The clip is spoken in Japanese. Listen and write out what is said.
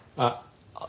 あっ。